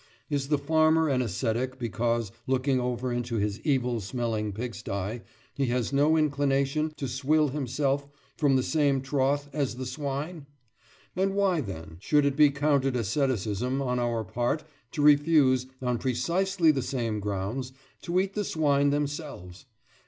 Is the farmer an ascetic because, looking over into his evil smelling pigsty, he has no inclination to swill himself from the same trough as the swine? And why, then, should it be counted asceticism on our part to refuse, on precisely the same grounds, to eat the swine themselves?